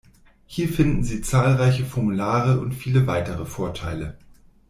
Hier finden Sie zahlreiche Formulare und viele weitere Vorteile.